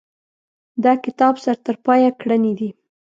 دا کتاب سر ترپایه ګړنې دي.